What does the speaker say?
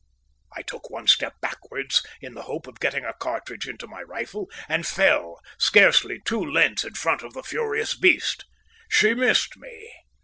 I took one step backwards in the hope of getting a cartridge into my rifle, and fell, scarcely two lengths in front of the furious beast. She missed me.